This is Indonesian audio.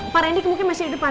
pak randik mungkin masih di depan